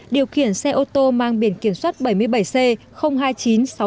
điều khiển xe ô tô mang biển kiểm soát bảy mươi bảy c hai mươi chín sáu mươi bốn